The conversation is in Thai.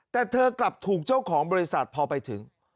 แต่เธอกลับถูกเจ้าของบริษัทพอไปถึง